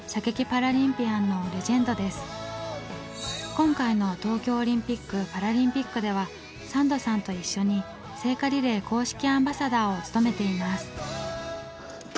今回の東京オリンピックパラリンピックではサンドさんと一緒に聖火リレー公式アンバサダーを務めています。